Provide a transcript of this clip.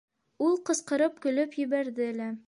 Ул ҡысҡырып көлөп ебәрҙе лә: